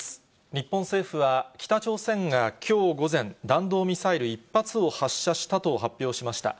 日本政府は、北朝鮮がきょう午前、弾道ミサイル１発を発射したと発表しました。